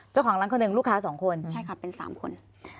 เจ้าของร้านคนหนึ่งลูกค้าสองคนใช่ค่ะเป็น๓คน